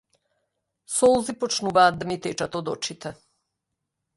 Солзи почнуваат да ми течат од очите.